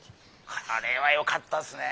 これはよかったですね。